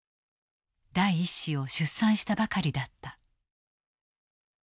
第一子を出産したばかりだった。